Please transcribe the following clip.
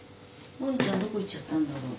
ボニーちゃんどこ行っちゃったんだろう。